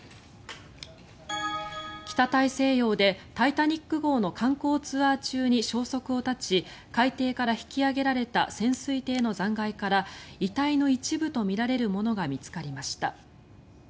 北大西洋で「タイタニック号」の観光ツアー中に消息を絶ち海底から引き揚げられた潜水艇の残骸から遺体の一部とみられるものが見つかりました。